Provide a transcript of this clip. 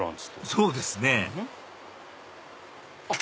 そうですねあっ！